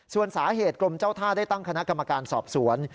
ส่วนสาเหตุกรมเจ้าท่าได้ตั้งคณะกรรมการสอบสวน